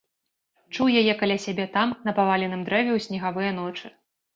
Чуў яе каля сябе там, на паваленым дрэве ў снегавыя ночы.